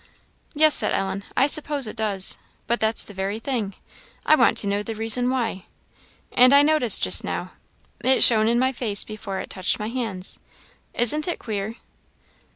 "Yes," said Ellen, "I suppose it does; but that's the very thing I want to know the reason why. And I noticed just now, it shone in my face before it touched my hands. Isn't it queer?"